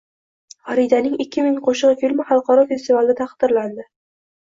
Faridaning ikki ming qo‘shig‘i filmi xalqaro festivalda taqdirlandi